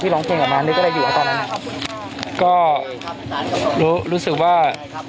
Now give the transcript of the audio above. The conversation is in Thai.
รู้รู้สึกว่า